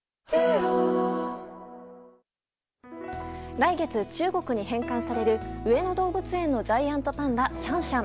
来月、中国に返還される上野動物園のジャイアントパンダシャンシャン。